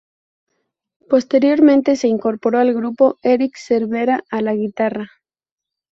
Posteriormente, se incorporó al grupo Eric Cervera, a la guitarra.